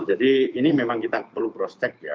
jadi ini memang kita perlu cross check ya